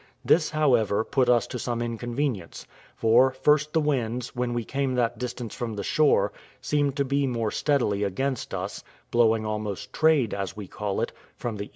This, however, put us to some inconvenience: for, first, the winds, when we came that distance from the shore, seemed to be more steadily against us, blowing almost trade, as we call it, from the E.